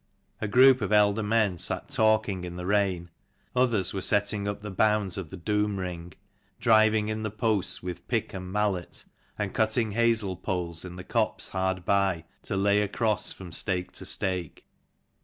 A group of elder men sat talking in the rain : others were setting up the bounds of the doom ring, driving in the posts with pick and mallet, and cutting hazel poles in the copse hard by, to lay across from stake to stake.